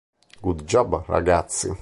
Good job, ragazzi!